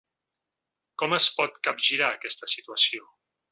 Com es pot capgirar, aquesta situació?